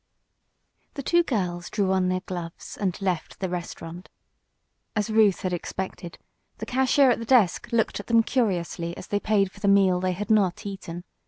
The two girls drew on their gloves and left the restaurant. As Ruth had expected, the cashier at the desk looked at them curiously as they paid for the meal they had not eaten.